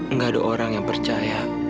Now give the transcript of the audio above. nggak ada orang yang percaya